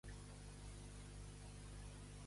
Què va ocórrer quan aquests van tornar a la mar?